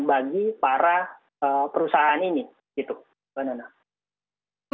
bagi para perusahaan ini